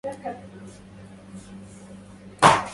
ستتزوج خلال ثلاثة أشهر، أهذا صحيح؟